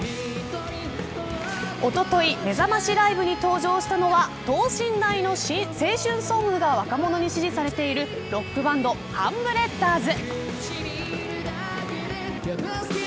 おとといめざましライブに登場したのは等身大の青春ソングが若者に支持されているロックバンドハンブレッダーズ。